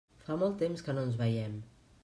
Fa molt de temps que no ens veiem.